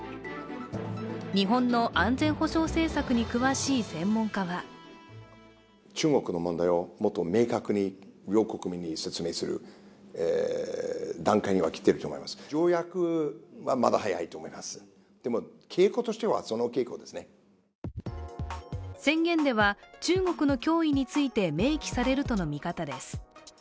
日本の安全保障政策に詳しい専門家は宣言では、中国の脅威について明記されるとの見方です。